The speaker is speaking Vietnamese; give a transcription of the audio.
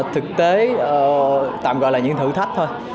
thực tế tạm gọi là những thử thách thôi